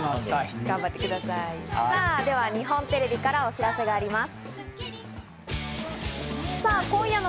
さぁ、では日本テレビからお知らせがあります。